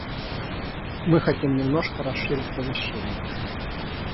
Мы хотим немножко расширить помещение